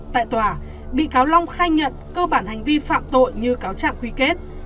tại tòa bị cáo long khai nhận cơ bản hành vi phạm tội như cáo trạng quy kết